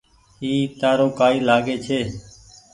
اي تآرو ڪآئي لآگي ڇي۔